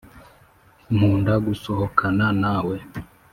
nkunda gusohokana nawe